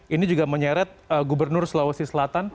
ini juga menyeret gubernur sulawesi selatan